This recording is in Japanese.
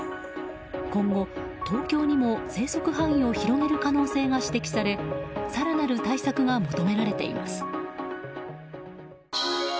今後、東京にも生息範囲を広げる可能性が指摘され更なる対策が求められます。